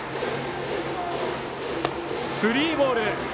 スリーボール。